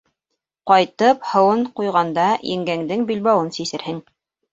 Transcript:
Ҡайтып һыуын ҡуйғанда еңгәңдең билбауын сисерһең.